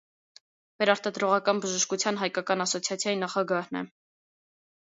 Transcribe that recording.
Վերարտադրողական բժշկության հայկական ասոցիացիայի նախագահն է։